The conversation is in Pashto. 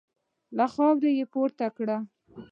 له خاورو يې پورته کړه.